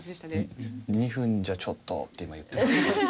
「２分じゃちょっと」って今言ってました。